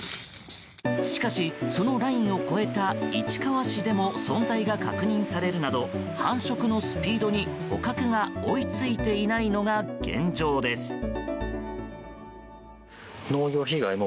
しかし、そのラインを越えた市川市でも存在が確認されるなど繁殖のスピードに捕獲が追いついていないのが現状です。